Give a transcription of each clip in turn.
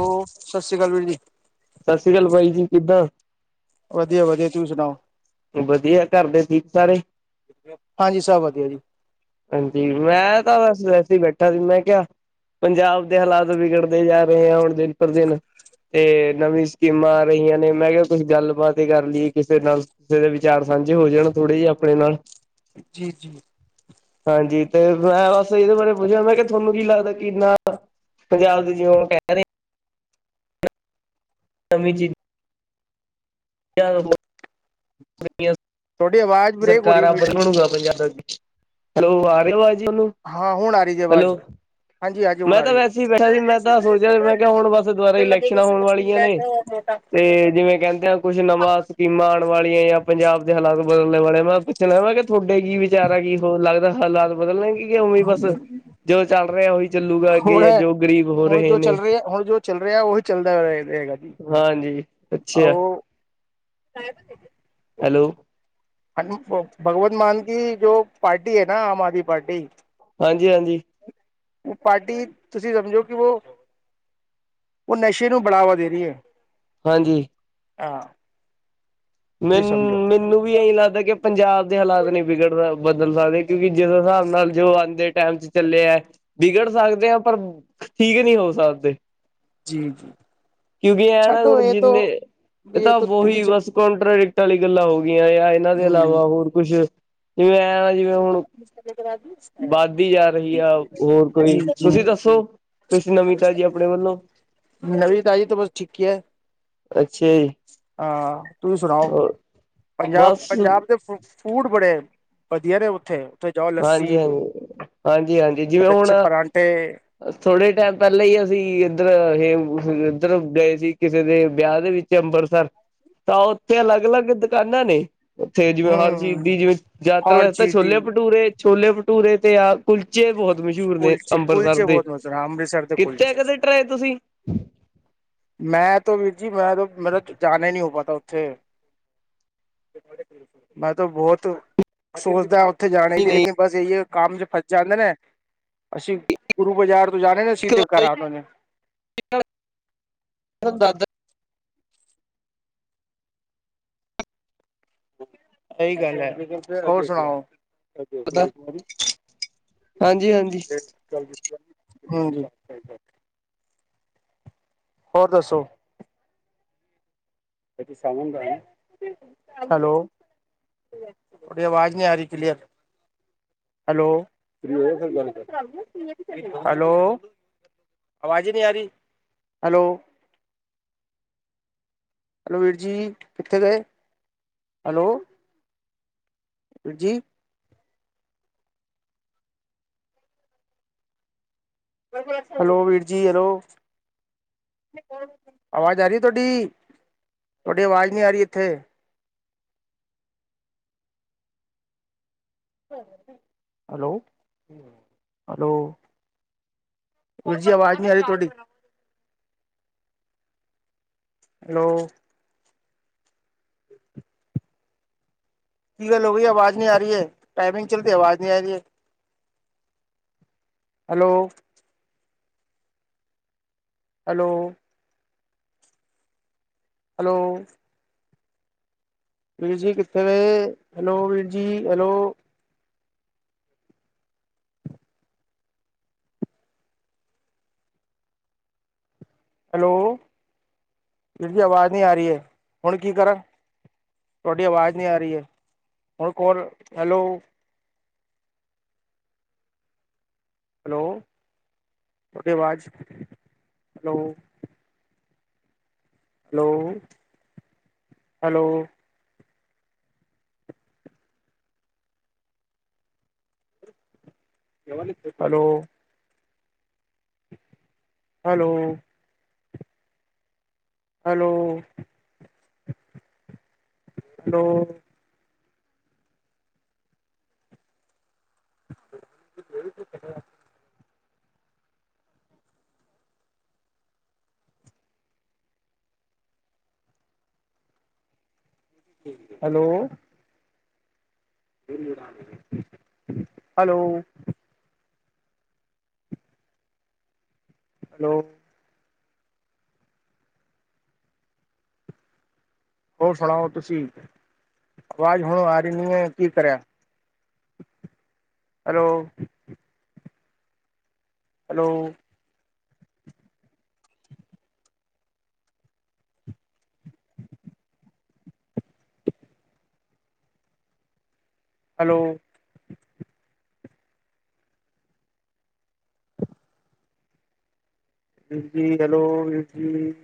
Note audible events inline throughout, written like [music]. ਉਹ ਸਤਿ ਸ੍ਰੀ ਅਕਾਲ ਵੀਰ ਜੀ। ਸਤਿ ਸ੍ਰੀ ਅਕਾਲ ਬਾਈ ਜੀ ਕਿੱਦਾਂ ਵਧੀਆ-ਵਧੀਆ ਤੂੰਹੀ ਸੁਣਾਓ- ਵਧੀਆ ਘਰਦੇ ਠੀਕ ਸਾਰੇ- ਹਾਂਜੀ ਸਭ ਵਧੀਆ ਜੀ। ਹਾਂਜੀ ਮੈਂ ਤਾਂ ਵਸ ਵੈਸੇ ਹੀ ਬੈਠੇ ਬੈਠਾ ਸੀ ਮੈਂ ਕਿਹਾ ਪੰਜਾਬ ਦੇ ਹਾਲਾਤ ਵਿਗੜਦੇ ਜਾ ਰਹੇ ਆ ਹੁਣ ਦਿਨ ਪਰ ਦਿਨ ਤੇ ਨਵੀਂ ਸਕੀਮਾਂ ਆ ਰਹੀਆਂ ਨੇ ਮੈਂ ਕਿਹਾ ਕੁਝ ਗੱਲ ਬਾਾਤ ਹੀ ਕਰ ਲਈਏ ਕਿਸੇ ਨਾਲ ਕਿਸੇ ਦੇ ਵਿਚਾਰ ਸਾਂਝੇ ਹੋ ਜਾਣ ਥੋੜੇ ਜਿ ਆਪਣੇ ਨਾਲ ਜੀ ਜੀ, ਹਾਂਜੀ ਤੇ ਮੈਂ ਬਸ ਇਹਦੇ ਬਾਰੇ ਪੁੱਛਿਆ ਮੈਂ ਕਿਹਾ ਤੁਹਾਨੂੰ ਕੀ ਲੱਗਦਾ ਕਿੰਨਾ ਪੰਜਾਬ ਦੇ ਜਿਉ ਕਹਿ ਰਹੇ- [unintelligible] [unintelligible] ਤੁਹਾਡੀ ਆਵਾਜ਼ ਬ੍ਰੇਕ ਹੋ ਰਹੀ ਹੈ ਵੀਰ ਜੀ। ਹਾਂ [unintelligible] ਹੁਣ ਆ ਰਹੀ ਜੀ ਆਵਾਜ਼ ਹੈਲੋ- ਹਾਂਜੀ ਹਾਂਜੀ ਹੁਣ ਮੈਂ ਆ ਤਾਂ ਰਹੀ ਹੈ। ਵੈਸੇ ਹੀ ਬੈਠਾ ਸੀ ਮੈਂ ਤਾਂ ਸੋਚਿਆ ਮੈਂ ਕਿਹਾ ਹੁਣ ਬਸ ਦੁਬਾਰਾ ਇਲੈਕਸ਼ਨਾਂ ਹੋਣ ਵਾਲੀਆਂ ਨੇ ਤੇ ਜਿਵੇਂ ਕਹਿੰਦੇ ਆ ਕੁਛ ਨਵਾਂ ਸਕੀਮਾਂ ਆਉਣ ਵਾਲੀਆਂ ਜਾਂ ਪੰਜਾਬ ਦੇ ਹਾਲਾਤ ਬਦਲ - ਵਾਲੇ ਮੈਂ ਪੁੱਛਣਾ ਵੈਂ ਕਿ ਤੁਹਾਡੇ ਕੀ ਵਿਚਾਰ ਆ ਕੀ ਹੋ ਲੱਗਦਾ ਹਾਲਾਤ ਬਦਲਣਗੇ? ਉਵੇਂ ਬਸ ਜੋ ਚੱਲ ਰਿਹਾ ਉਹੀ ਗਾ ਅੱਗੇ ਹੁਣ ਜਾਂ ਜੋ ਗ਼ਰੀਬ ਹੋ ਹੁਣ ਰਹੇ ਜੋ ਨੇ ਚੱਲ ਰਿਹਾ ਹੁਣ ਜੋ ਚੱਲ ਰਿਹਾ ਉਹੀ ਚੱਲਦਾ ਰਹੇਗਾ ਜੀ। ਹਾਂਜੀ ਅੱਛਾ। ਸਾਇਬ [unintelligible] ਹੈਲੋ। ਭਗਵੰਤ ਮਾਨ ਕੀ ਜੋ ਪਾਰਟੀ ਐ ਨਾ ਆਮ ਆਦਮੀ ਪਾਰਟੀ। ਹਾਂਜੀ-ਹਾਂਜੀ ਵੋ ਪਾਰਟੀ ਤੁਸੀਂ ਸਮਝੋ ਕਿ ਵੋ ਉਹ ਨਸ਼ੇ ਨੂੰ ਬੜਾਵਾ ਦੇ ਰਈ ਐ। ਹਾਂਜੀ। ਆ। ਮੈਨ ਮੈਨੂੰ ਵੀ ਇਹੀ ਲੱਗਦਾ ਕਿ ਪੰਜਾਬ ਦੇ ਹਾਲਾਤ ਨਈ ਵਿਗੜਦਾ ਬਦਲ ਸਕਦੇ ਕਿਉਂਕਿ ਜਦੋ ਹਿਸਾਬ ਨਾਲ ਜੋ ਆਂਦੇ ਟਾਈਮ ਚ ਚੱਲੇ ਐ ਵਿਗੜ ਸਕਦੇ ਐ ਪਰ ਠੀਕ ਨਹੀਂ ਹੋ ਸਕਦੇ। ਜੀ ਜੀ ਕਿਉਂਕਿ ਐ ਨਾ ਛੱਡੋ ਹੁਣ ਇਹ ਤੋਂ ਜਿੰਨੇ ਇਹ ਤਾਂ ਤੋਂ ਤੁਸੀਂ ਵੋਹੀ ਬਸ ਪ੍ਡਿਕਟ ਆਲੀ ਗੱਲਾਂ ਹੋ ਗਈਆਂ ਯਾ ਇਹਨਾਂ ਦੇ ਹਮ ਇਲਾਵਾ ਹੋਰ ਕੁਛ, ਜਿਵੇਂ ਐ ਜਿਵੇਂ ਹੁਣ ਵੱਧਦੀ ਜਾ ਰਹੀ ਆ ਹੋਰ [unintelligible] ਕੋਈ ਜੀ ਜੀ। ਤੁਸੀਂ ਦੱਸੋ ਕੁਛ ਨਵੀਂ ਤਾਜੀ ਅਪਣੇ ਵੱਲੋਂ ਨਵੀ ਤਾਜੀ ਤਾਂ ਬਸ ਠੀਕ ਹੀ ਐ। ਅੱਛਾ ਜੀ। ਤੁਸੀਂ ਸੁਣਾਓ, ਹੋਰ ਪੰਜਾਬ, ਬਸ ਪੰਜਾਬ ਦੇ ਫ ਫੂਡ ਬੜੇ ਵਧੀਆ ਨੇ ਉੱਥੇ ਜਾਓ ਲੱਸੀ ਹਾਂਜੀ-ਹਾਂਜੀ, ਹਾਂਜੀ-ਹਾਂਜੀ ਜਿਵੇਂ ਹੁਣ ਲੱਛੇ ਪਰਾਂਠੇ ਥੋੜ੍ਹੇ ਟਾਈਮ ਪਹਿਲਾਂ ਈ ਅਸੀਂ ਇੱਧਰ ਇਹ ਇੱਧਰ ਗਏ ਸੀ ਕਿਸੇ ਦੇ ਵਿਆਹ ਦੇ ਵਿੱਚ ਅੰਬਰ ਸਰ ਤਾਂ ਓਥੇ ਅਲੱਗ-ਅਲੱਗ ਦੁਕਾਨਾਂ ਨੇ। ਉੱਥੇ ਜਿਵੇਂ ਹਰ ਚੀਜ਼ ਹਮ ਦੀ ਜਿਵੇਂ ਯਾਤਰਾ ਹਰ ਵਾਸਤੇ ਚੀਜ਼ ਦੀ ਛੋਲੇ ਛੋਲੇ-ਭਟੂਰੇ ਤੇ ਆ। ਕੁਲਚੇ ਬਹੁਤ ਮਸ਼ਹੂਰ ਨੇ ਕੁਲਚੇ ਅੰਮ੍ਰਿਤਸਰ ਕੁਲਚੇ ਦੇ ਬਹੁਤ ਮਜ਼ੇ ਅੰਮ੍ਰਿਤਸਰ ਦੇ ਕਿਤੇ ਕੁਲਚੇ ਕਦੇ ਟਰਾਏ ਤੁਸੀਂ? ਮੈਂ ਤੋ ਵੀਰ ਜੀ ਮੈਂ ਤੋ ਮੇਰਾ ਤੋ ਜਾਣਾ ਈ ਨਈ ਓ ਪਾਤਾ ਉੱਥੇ। ਮੈਂ ਤਾਂ ਬਹੁਤ ਸੋਚਦਾ ਉੱਥੇ ਜਾਣੇ ਦੀ ਲੇਕਿਨ ਬਸ ਇਹੀ ਐ ਕੰਮ ਚ ਫਸ ਜਾਂਦੇ ਨੇ ਅਸੀਂ ਗੁਰੂ ਬਾਜ਼ਾਰ ਤੂੰ ਜਾਨੇ ਨਾ ਅਸੀ ਤੇ ਕਰਾ [unintelligible] ਦਾ ਦਾਦਾ ਸਹੀ ਗੱਲ ਐ ਹੋਰ ਸੁਣਾਓ। ਹਾਂਜੀ-ਹਾਂਜੀ [unintelligible] ਹੂੰ। ਹੋਰ ਦੱਸੋ। ਹੈਲੋ। ਉਹਦੀ ਵਾਜ ਨੀ ਆਰੀ ਕਲੀਅਰ। Hello, hello. ਆਵਾਜ਼ ਈ ਨੀ ਆਰੀ, ਹੈਲੋ। ਹ [inaudible] ਹੈਲੋ ਵੀਰ ਜੀ ਕਿੱਥੇ ਗਏ? ਹੈਲੋ। ਜੀ। ਹੈਲੋ ਵੀਰ ਜੀ ਹੈਲੋ। ਆਵਾਜ਼ ਆ ਰਈ ਐ ਤੁਆਡੀ ਤੁਆਡੀ ਅਵਾਜ਼ ਨਹੀਂ ਆ ਰਈ ਇੱਥੇ। Hello, hello. ਹਾਂਜੀ ਆਵਾਜ਼ ਨੀ ਆਰੀ ਤੁਆਡੀ। ਹੈਲੋ। ਕੀ ਗੱਲ ਹੋ ਗਈ ਆਵਾਜ਼ ਨਹੀਂ ਆ ਰਈ ਐ, ਟਾਈਮਿੰਗ ਚੱਲਦੀ ਆਵਾਜ਼ ਨੀ ਆ ਰਈ ਐ। ਹੈਲੋ। ਹੈਲੋ। ਹੈਲੋ ਵੀਰ ਜੀ, ਕਿੱਥੇ ਗਏ ਹੈਲੋ ਵੀਰ ਜੀ, ਹੈਲੋ? ਹੈਲੋ, ਵੀਰ ਜੀ ਆਵਾਜ਼ ਨਹੀਂ ਆ ਰਹੀ ਹੈ, ਹੁਣ ਕੀ ਕਰਾਂ? ਤੁਹਾਡੀ ਆਵਾਜ਼ ਨਹੀਂ ਆ ਰਹੀ ਹੈ, ਹੁਣ ਕੋਲ ਹੈਲੋ? ਹ [inaudible] ਹੈਲੋ ਉਹਦੇ ਬਾਵਾਾਦ hello [inaudible] hello hello? Hello hello? Hello hello [unintelligible] hello. Hello hello. ਹੋਰ ਸੁਣਾਓ ਤੁਸੀਂ, ਆਵਾਜ਼ ਹੁਣ ਆ ਰਹੀ ਨਹੀਂ ਹੈ, ਕੀ ਕਰੇ? ਹੈਲੋ? ਹੈਲੋ? ਹੈਲੋ? ਵੀਰ ਜੀ, ਹੈਲੋ ਵੀਰ ਜੀ?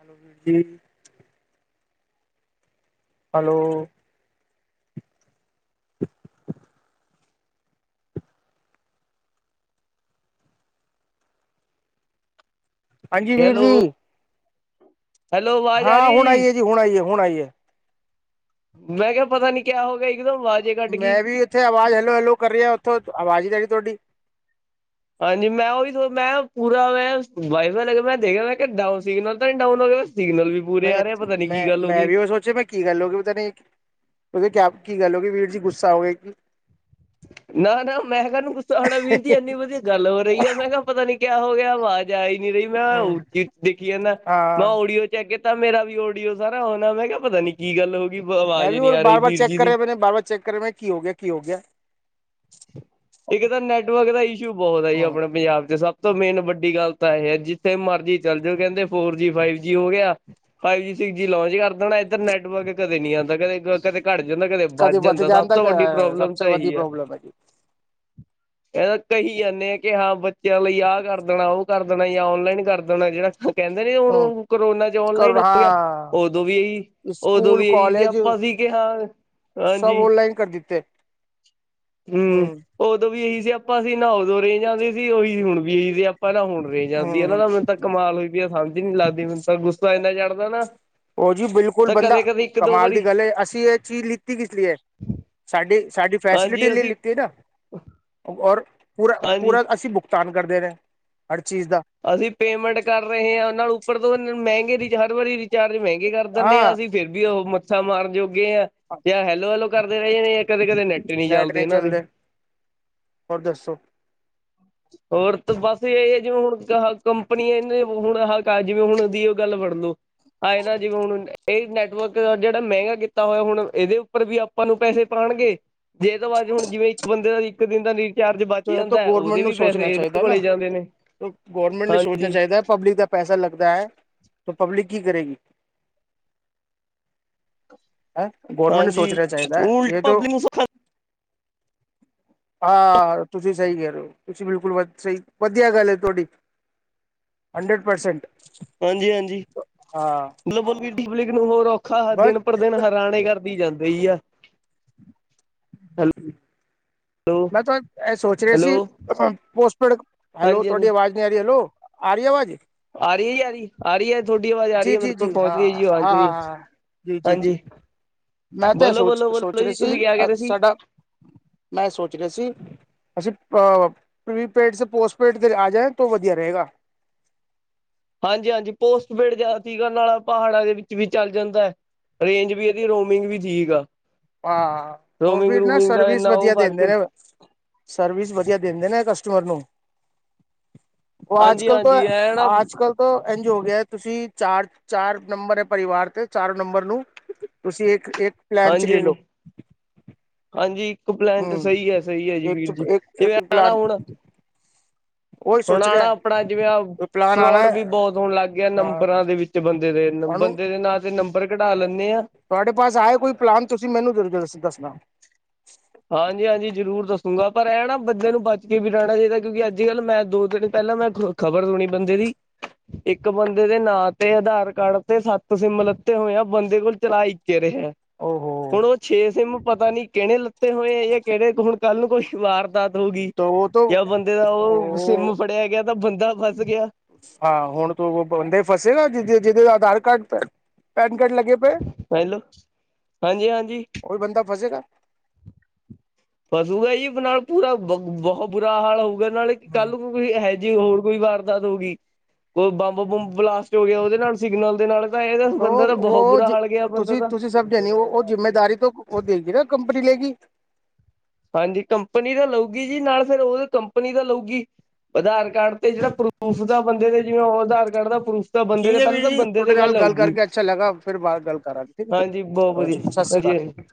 ਆਲੂ ਬਜੀੀ [inaudible] ਹੈਲੋ ਹਾਂਜੀ ਵੀਰ ਜੀ? ਹੈਲੋ-ਹੈਲੋ ਆਵਾਜ਼ ਆ ਹਾਂ ਰਹੀ ਹੈ ਹੁਣ ਆਈਏ ਜੀ ਹੁਣ ਆਈਏ ਹੁਣ ਆਈਏ। ਮੈਂ ਕਿਆ ਪਤਾ ਨੀ ਕਿਆ ਹੋ ਗਿਆ ਈ। ਮੈਂ ਵੀ ਇਥੇ ਆਵਾਜ਼ ਹੈਲੋ-ਹੈਲੋ ਕਰ ਰਿਆ ਉੱਥੋਂ ਆਵਾਜ਼ ਈ ਨੀ ਆਰੀ ਤੁਆਡੀ। ਹਾਂਜੀ ਮੈਂ ਉਹੀ, ਮੈਂ ਪੂਰਾ ਮੈਂ ਵਾਈਫਾਈ ਲੱਗਣਾ ਏ ਦੇਖਣਾ, ਕਿ ਡੌਨ ਸਿੰਨਲ। ਪਤਾ ਡਾਊਨ ਹੋ ਗਿਆ, ਸਿਗਨਲ ਵੀ ਪੂਰੇ ਮੈਂ ਆ ਰਹੇ, ਪਤਾ ਨੀ ਕੀ ਮੈਂ ਗੱਲ ਹੋ ਮੈਂ ਗਈ। ਵੀ ਉਹ ਕਿ ਕਿਆ ਕੀ ਗੱਲ ਹੋ ਗਈ, ਵੀਰ ਜੀ ਗੁੱਸਾ ਹੋ ਗਿਆ ਕਿ? ਨਾ- ਨਾ ਮੈਂ ਕਾਨੂੰ, ਗੁੱਸਾ ਹੋਣਾ ਵੀਰ ਦੀ ਇੰਨੀ ਵਧੀਆ ਗੱਲ ਹੋ ਰਹੀ ਹੈ, ਮੈਂ ਕਿਹਾ ਪਤਾ ਨੀ ਕ ਹੋ ਗਿਆ, ਆਵਾਜ਼ ਆਏ ਗੀ, ਰਹੀ ਮੈਂ ਉਚੀ ਉਚੀ ਦੇਖੀ ਜਾਂਦਾ ਮੈਂ ਹਾਂ ਓਡੀਓ ਚ ਅ ਕੇ ਤਾਂ ਮੇਰਾ ਵੀ ਓਡੀਓ ਸਾਰਾ ਹੋਣਾ, ਮੈਂ ਕਿਹਾ ਪਤਾ ਨੀ ਕੀ ਗੱਲ ਹੋਈ। ਮੈਂ ਵੀ ਹੋਰ, ਬਾਰ -ਬਾਰ ਚੈੱਕ ਕਰਿਆ ਮਨ ਬਾਰ -ਬਾਰ ਚੈੱਕ ਕਰਿਆ ਮ ਕੀ ਹੋ ਗਿਆ -ਕੀ ਹੋ ਗਿਆ। ਇੱਕ ਤਾਂ, ਨੈਟਵਰਕ ਦਾ ਇਸ਼ੂ ਬਹੁਤ ਹੈ ਜੀ, ਹੂੰ ਆਪਣੇ ਪੰਜਾਬ ਚ ਸਭ ਸਭ ਤੋਂ ਮੇਨ ਵੱਡੀ ਗੱਲ ਤਾਂ ਇਹ ਹੈ। ਜਿੱਥੇ ਮਰਜ਼ੀ ਚੱਲ ਜਾਓ, ਕਹਿੰਦੇ ਫੋਰ ਜੀ ਫਾਈਵ ਜੀ ਹੋ ਗਿਆ ਫਾਈਵ ਜੀ ਸਿਕਸ ਜੀ ਲਉ ਜੀ ਇੱਧਰ ਨੈਟਵਰਕ ਕਦੇ ਨੀ ਆਉਂਦਾ। ਕਦੇ ਕਦੇ ਘੱਟ ਜਾਂਦਾ, ਕਦੇ ਬੱਚ ਵੱਧ ਜਾਂਦਾ, ਜਾਣ ਸਭ ਤੱਕ ਤੋਂ ਵੱਡੀ ਸਭ ਪ੍ਰੋਬਲਮ ਸੇ ਤਾਂ ਵੱਡੀ ਇਹੀ ਹੈ। ਪ੍ਰੋਬਲਮ ਹੈਗੀ ਹਮ [unintelligible] ਇਹਦਾ ਕਹੀ ਜਾਂਦੇ ਆ ਕਿ, ਹਾਂ ਬੱਚਿਆਂ ਲਈ ਆਹ ਕਰ ਦੇਣਾ, ਉਹ ਕਰ ਦੇਣਾ, ਜਾਂ ਔਨਲਾਈਨ ਕਰ ਦੇਣਾ ਜਿਹੜਾ ਕਹਿੰਦੇ ਨੇ, ਹੂੰ ਹੁਣ ਕਰੋਨਾ ਚ ਕਰ ਔਨਲਾਈਨ ਹੋ ਗਿਆ, ਹਾਂ ਉਦੋਂ ਵੀ ਹੈਹੀ ਸਿਆਪਾ ਸੀ। ਕੀ ਹਾਲ। ਸਭ ਔਨਲਾਈਨ, ਕਰ ਦਿੱਤੇ। ਹਮ ਹੋ [inaudible] ਸਿਆਪਾਂ ਸੀ ਨਾ ਉਦੋਂ ਰੇ ਜਾਂਦੇ ਸੀ ਉਹੀ ਹੁਣ ਵੀ ਸਿਆਪਾਂ ਨਾ ਹੁਣ ਰੇ ਜਾਂਦੀ ਇਹ ਹੂੰ ਦਾ ਕਮਾਲ ਹੋਈ ਪ ਸਮਝ ਨੀ ਲੱਗਦੀ ਮੈਨੂੰ, ਤਾਂ ਗੁੱਸਾ ਇੰਨਾ ਜਾਿਆਦਾ ਉਹ ਜੀ ਬਿਲਕੁਲ ਬੰਦਾ ਇੱਕ ਦੋ ਕਮਾਲ ਵਾਰੀ ਦੀ ਗੱਲ, ਅਸੀਂ ਇਹ ਚੀਜ਼ ਲਿੱਤੀ ਕਿਸ ਲਈ ਏ। ਸਾਡੇ ਸਾਡੀ ਫੈਸਿਲਿਟੀ ਹਾਂਜੀ ਲ ਅਸੀਂ ਲਿੱਤੀ ਨਾ ਔਰ ਪੂਰਾ ਹਾਂਜੀ -ਪੂਰਾ ਅਸੀਂ ਭੁਗਤਾਨ [inaudible] ਕਰਦੇ ਰਹ? ਅਸੀਂ ਪੇਮੈਂਟ ਕਰ ਰਹੇ ਹਾਂ, ਨਾਲ ਉੱਪਰ ਤੋਂ ਮਹਿੰਗੇ ਰ ਹਰ ਵਾਰੀ। ਚਾਰਜ ਮਹਿੰਗੇ ਕਰ ਦਿੰਦੇ ਹਾਂ। ਅਸੀ ਫਿਰ ਵੀ ਉਹ ਮੱਥਾ ਮਾਰ ਜੋਓ ਜਾਂ ਹੈਲੋ-ਹੈਲੋ ਕਰਦੇ ਰਹੇ ਨੇ। ਜਾਂ ਕਦੇ-ਕਦੇ ਨੈਟ ਨੀ ਚੱਲਦੇ ਇਹਨਾਂ ਦੇ। ਹੋਰ ਦੱਸੋ? ਹੋਰ ਤੇ ਬਸ ਇਹ ਹੈ। ਜਿਵੇਂ ਹੁਣ ਕੰਪਨੀਆਂ ਇਹਨੇ ਹੁਣ ਹਾਂ ਜਿਵੇਂ ਹੁਣ ਦੀ ਉਹ ਗੱਲ ਫੜ ਲੋ। ਹਏ ਨਾ ਜਿਵੇਂ ਹੁਣ ਇਹ ਨੈਟਵਰਕ ਜਿਹੜਾ ਮਹਿੰਗਾ ਕੀਤਾ ਹੋਇਆ ਹੁਣ ਇਹਦੇ ਉੱਪਰ ਵੀ ਆਪਾਂ ਨੂੰ ਪੈਸੇ ਪਾ ਜੇ ਤਾਂ ਬਾਅਦ ਹੁਣ ਜਿਵੇਂ ਇੱਕ ਬੰਦੇ ਦਾ ਇੱਕ ਦਿਨ ਦਾ ਰਿੀਚਾਰਜ ਬਚ ਜੋ ਹੈ ਤਾਂ ਜਾਂਦਾ, ਗੌਰਮੈਂਟ ਉਹਦੇ ਨੂੰ ਵੀ ਸੋਚਣਾ ਪੈਸੇ ਇਹਨਾਂ ਚਾਹੀਦਾ ਨਾ ਕੋਲੇ ਜਾਂਦੇ ਨੇ ਗਵਰਮੈਂਟ ਨੇ ਸੋਚਣਾ ਹਾਂਜੀ ਚਾਹੀਦਾ ਪਬਲਿਕ ਦਾ ਪੈਸਾ ਲੱ ਦਾ ਹੈ, ਤਾਂ ਪਬਲਿਕ ਕੀ ਕਰੇਗੀ। ਹੈ ਗੌਰਮੈਂਟ ਨੂੰ ਹਾਂਜੀ ਸੋਚਣਾ ਚਾਹੀਦਾ ਹੈ ਉਲਟ ਇਹ ਤਾਂ ਪਬਲੀ ਮਸਾ ਖਾ- ਹਾਂ--ਤੁਸੀਂ ਸਹੀ ਕਹਿ ਰਹੇ ਹੋ ਤੁਸੀਂ ਬਿਲਕੁਲ ਵ ਸਹੀ ਵਧੀਆ ਗੱਲ ਏ ਤੁਹਾਡੀ। Hundred percent. ਹਾਂਜੀ-ਹਾਂਜੀ ਹਾਂ ਮਤਲਬ ਹੋਰ [unintelligible] ਖਾ ਬਸ ਦਿਨ ਪਰ ਦਿਨ ਹੈਰਾਣੇ ਕਰਦੀ ਜਾਂਦੀ ਈ ਆ। ਹੈਲ ਮੈਂ ਤਾਂ ਇਹ ਸੋਚ ਰਿਹਾ ਸੀ। ਪੋਸਟਪੇਡ ਹੈਲੋ ਹਾਂਜੀ ਤੁਹਾਡੀ ਹਾਂਜੀ ਆਵਾਜ਼ ਨਹੀਂ ਆ ਰਹੀ ਹੈਲੋ ਆਰੀ ਆਵਾਜ? ਆ ਰਹੀ ਐ ਜੀ ਆ ਰਹੀ ਆ ਰਹੀ ਐ ਤੁਹਾਡੀ ਆਵਾਜ਼ ਆ ਰਹੀ ਐ ਮੇਰੇ ਕੋਲ ਪਹੁੰਚ ਗਈਹੈ ਜੀ ਆਵਾਜ਼ ਚਹੀ ਜੀ-ਜੀ-ਜੀ ਮੈਂ ਤਾਂ ਬੋਲੋ ਬੋਲੋ ਸੋਚ-ਸੋਚ ਬੋਲੋ ਰਹੇ ਜੀ ਤੁਸੀਂ ਸੀ ਕਿਆ ਕਹਿ ਅ ਰਹੇ ਸੀ ਸਾਡਾ ਮੈਂ ਸੋਚ ਰਿਹਾ ਅਸੀਂ ਪ੍ਰੀਪੇਡ ਸੇ ਪੋਸਟਪੇਡ ਤੇ ਆ ਜਾਏ। ਤਾਂ ਵਧੀਆ ਰਹੇਗਾ। ਹਾਂਜੀ- ਹਾਂਜੀ ਪੋਸਟਪੇਡ ਜਿਆਦਾ ਸੀਗਾ ਨਾਲ ਪਹਾੜਾਂ ਦੇ ਵਿੱਚ ਵੀ ਚੱਲ ਜਾਂਦਾ ਐ। ਰੇਂਜ ਵੀ ਇਹਦੀ ਰੋਮਿੰਗ ਵੀ ਠੀਕ ਆ। ਆਹ, ਉਹ ਰੋਮਿੰਗ ਵੀ ਨਾ ਰੂਮਿੰਗ ਦਾ ਸਰਵਿਸ ਇੰਨਾ ਉਹ ਵਧੀਆ ਫ਼ਰਕ ਦਿੰਦੇ ਨੇ ਨੀ ਸਰਵਿਸ ਵਧੀਆ ਦਿੰਦੇ ਨੇ ਕਸਟਮਰ ਨੂੰ ਉਹ ਹਾਂਜੀ ਅੱਜ-ਕੱਲ ਤੋ ਹਾਂਜੀ ਐ ਨਾ ਅੱਜ-ਕੱਲ ਤੋਂ ਇੰਝ ਹੋ ਗਿਆ ਤੁਸੀਂ,, ਚਾਰ- ਚਾਰ ਨੰਬਰ ਹੈ ਪਰਿਵਾਰ ਤੇ ਚਾਰੋ ਨੰਬਰ ਨੂੰ ਤੁਸੀਂ ਇੱਕ ਇੱਕ ਪਲੈਨ ਚ ਲੈ ਲਓ ਹਾਂਜੀ-ਹਾਂਜੀ। ਪਲੈਨ ਤੇ ਹਮ ਸਹੀ ਹੈ, ਸਹੀ ਹੈ ਜੀ ਵੀਰ ਜੀ। ਜਿਵੇਂ ਇੱਕ ਆਣਾ ਪਲਾਨ ਹੁਣ ਉਹੀ ਹੁਣ ਸੋਚ ਆ ਰਿਹਾ ਨਾ ਆਪਣਾ ਜਿਵੇਂ ਕੋਈ ਪਲਾਨ ਆਉਣਾ ਫਰੋਡ ਵੀ ਬਹੁਤ ਹੋਣ ਲੱਗ ਗਿਆ ਹਾਂ ਨੰਬਰਾਂ ਦੇ ਵਿੱਚ ਬੰ ਉਹਨੂੰ [unintelligible] ਤੁਹਾਡੇ ਪਾਸ ਆਏ ਕੋਈ ਪਲਾਨ ਤੁਸੀਂ ਮੈਨੂੰ ਦੱਸਣਾ- ਹਾਂਜੀ-ਹਾਂਜੀ ਜ਼ਰੂਰ ਦੱਸੂੰਗਾ ਪਰ ਇਹ ਨਾ ਬੰਦੇਿਆਂ ਨੂੰ ਬੱਚ ਕੇ ਵੀ ਰਹਿਣਾ ਚਾਹੀਦਾ ਕਿਉਂਕਿ ਅੱਜ-ਕੱਲ੍ਹ ਮੈਂ ਦੋ ਤਿੰਨ ਪਹਿ ਪਹਿਲਾਂ ਮੈਂ ਖ਼ਬਰ ਸੁਣੀ ਬੰਦੇ ਦੀ ਇੱਕ ਬੰਦੇ ਦੇ ਨਾਂ ਤੇ ਆਧਾਰ ਕਾਰਡ ਤੇ ਸੱਤ ਸਿੰਮ ਲੱਤੇ ਹੋਏ ਆ ਬੰਦੇ ਕੋਲ ਚਲਾ ਇੱਕੇ ਰਿਹਾ ਓਹੋ ਹੁਣ ਉਹ ਛੇ ਸਿੰਮ ਪਤਾ ਨੀ ਕਿਹੜੇ- ੱਤੇ ਹੋਏ ਇਹ ਕਿਹੜੇ ਹੁਣ ਕੱਲ੍ਹ ਨੂੰ ਕੋਈ ਸ਼ਮਾਰ ਦਾਤ ਹੋ ਗਈ ਤਾਂ ਉਹ ਤਾਂ ਜਾਂ ਬੰਦੇ ਦਾ ਉਹ ਸਿੰਿਮ ਫੜਿਆ ਗਿਆ ਤਾਂ ਬੰਦਾ ਫਸ ਗਿਆ। ਹਾਂ ਹੁਣ ਤੂੰ ਉਹ ਬੰਦੇ ਫਸੇਗਾ ਜਿ ਜਿਹਦੇ ਆਧਾਰ ਕਾਰਡ ਪੈਨ ਗਟ ਲੱਗੇ ਪਏ ਹੈਲੋ ਹਾਂਜੀ-ਹਾਂਜੀ। ਕੋਈ ਬੰਦਾ ਫਸੇਗਾ। ਫਸੂਗਾ ਜੀ ਨਾਲ ਪੂਰਾ ਬ ਬਹੁ ਬੁਰਾ ਹਾਲ ਹੋਊਗਾ ਨਾਲੇ ਕੱਲ ਹੈ ਜੀ ਹੋਰ- ਕੋਈ ਵਾਰਦਾਤ ਹੋ ਗਈ ਕੋਈ ਬੰਬ-ਬੁੰਬ ਬਲਾਸਟ ਹੋ ਗਿਆ ਉਹਦੇ ਨਾਲ ਸਿਗਨਲ ਦੇ ਨਾਲ ਤਾਂ ਇਹ ਤੋ ਬੰਦਾ ਦਾ ਬਹੁਤ ਬੁਰਾ ਉਹ ਹਲ ਗਿਆ ਬੰਦੇ ਤੁਸੀਂ ਦਾ- ਤੁਸੀਂ ਸਮਝੇ ਨੀ ਉਹ ਜਿੰਮੇਦਾਰੀ ਉਹ ਦੇਗੀ ਨਾ ਕੰਪਨੀ ਲੇਗੀ। ਹਾਂਜੀ ਕੰਪਨੀ ਦਾ ਲਊਗੀ ਜੀ ਨਾਲ ਫੇਿਰ ਉਹ ਕੰਪਨੀ ਦਾ ਲਉਗੀ। ਆਧਾਰ ਕਾਰਡ ਤੇ ਜਿਹੜਾ ਪ੍ਰੂਫ ਦਾ ਬੰਦੇ ਦੇ ਜਿਵੇਂ ਉਹ ਆਧਾਰ ਕਾਰਡ ਦਾ ਪਸ ਤਾਂ ਬੰਦੇ ਠੀਕ ਤੇ ਹੈ ਪਹਿਲਾਂ ਵੀਰ ਤਾਂ ਜੀ ਬੰਦੇ ਤੁਹਾਡੇ ਤੇ ਨਾਲ ਗੱਲ ਆਊਗੀ ਕਰਕੇ ਅੱਛਾ ਲੱਗਾ ਫਿਰ ਬਾਅਦ ਗੱਲ ਕਰਾਂਗੇ ਠੀਕ ਹਾਂਜੀ ਬਹੁ ਹੈ ਸਤਿ ਸ਼੍ਰੀ ਅਕਾਲ ਵਧੀਆ- [unintelligible]